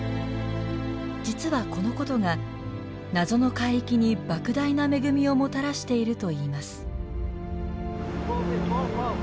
実はこのことが謎の海域にばく大な恵みをもたらしているといいます。